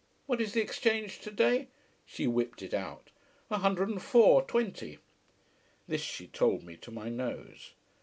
What is the exchange today? She whipped it out. A hundred and four, twenty. This she told me to my nose.